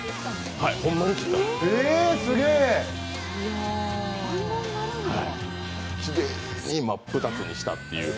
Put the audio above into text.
きれいに真っ二つにしたという。